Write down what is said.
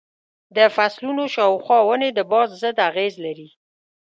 د فصلونو شاوخوا ونې د باد ضد اغېز لري.